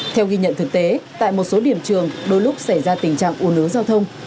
theo ghi nhận thực tế tại một số điểm trường đôi lúc xảy ra tình trạng un ứa giao thông